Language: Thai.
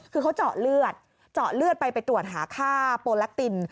คือเขาเจาะเลือดไปตรวจหาค่าโปรแลกติน